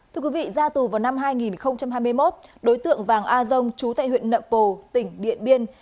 thưa quý vị ra tù vào năm hai nghìn hai mươi một đối tượng vàng a dông chú tại huyện nậm pồ tỉnh điện biên